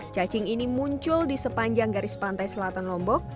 cacing ini muncul di sepanjang garis pantai selatan lombok